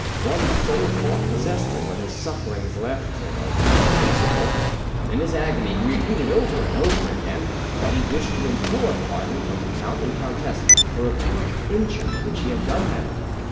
One sole thought possessed him when his sufferings left him a lucid interval, and in his agony he repeated over and over again that he wished to implore pardon from the count and countess for a great injury which he had done them.